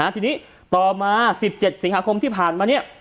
ทีนี้ต่อมา๑๗สิงหาคมที่ผ่านมาเนี่ย